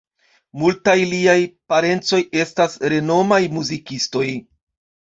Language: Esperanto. Multaj liaj parencoj estas renomaj muzikistoj.